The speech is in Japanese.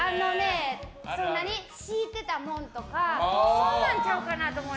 敷いてたものとかそんなんちゃうかなと思って。